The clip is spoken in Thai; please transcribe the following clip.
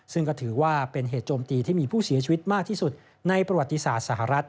ซึ่งก็ถือว่าเป็นเหตุโจมตีที่มีผู้เสียชีวิตมากที่สุดในประวัติศาสตร์สหรัฐ